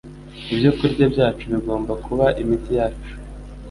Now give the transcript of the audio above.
ibyo kurya byacu bigomba kuba imiti yacu